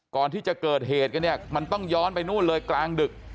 ก่อนที่จะเกิดเหตุกันเนี่ยมันต้องย้อนไปนู่นเลยกลางดึก